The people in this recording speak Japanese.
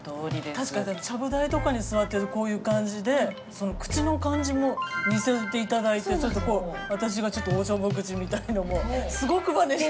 確かにちゃぶ台とかに座ってるとこういう感じで口の感じも似せて頂いてちょっとこう私がちょっとおちょぼ口みたいのもすごくまねして。